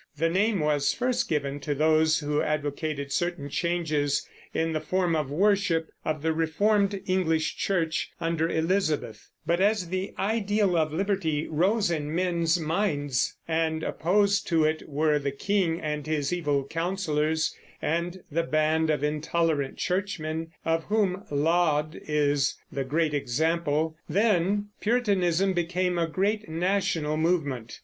The name was first given to those who advocated certain changes in the form of worship of the reformed English Church under Elizabeth; but as the ideal of liberty rose in men's minds, and opposed to it were the king and his evil counselors and the band of intolerant churchmen of whom Laud is the great example, then Puritanism became a great national movement.